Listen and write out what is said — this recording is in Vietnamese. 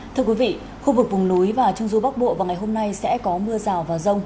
thưa quý vị khu vực vùng núi và trung du bắc bộ vào ngày hôm nay sẽ có mưa rào và rông